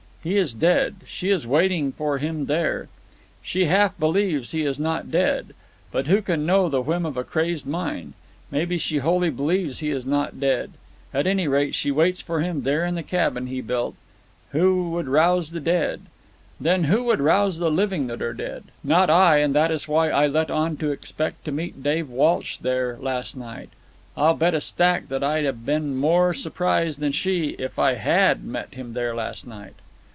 He is dead. She is waiting for him there. She half believes he is not dead. But who can know the whim of a crazed mind? Maybe she wholly believes he is not dead. At any rate, she waits for him there in the cabin he built. Who would rouse the dead? Then who would rouse the living that are dead? Not I, and that is why I let on to expect to meet Dave Walsh there last night. I'll bet a stack that I'd a been more surprised than she if I had met him there last night."